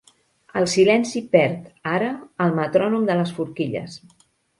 El silenci perd, ara, el metrònom de les forquilles.